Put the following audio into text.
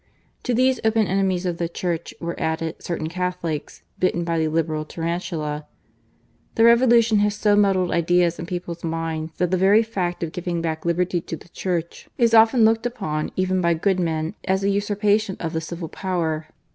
To these open enemies of the Church, were added certain Catholics, bitten by the Liberal tarantula. The Revolution has so muddled ideas in people's minds, that the very fact of giving back liberty to the Church is often looked upon, even by good men, as a usurpation of the civil power.